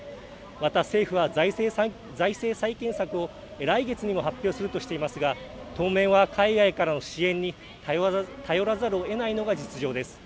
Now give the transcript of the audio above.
また、政府は財政再建策を来月にも発表するとしていますが当面は海外からの支援に頼らざるをえないのが実情です。